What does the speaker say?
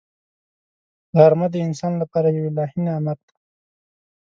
غرمه د انسان لپاره یو الهي نعمت دی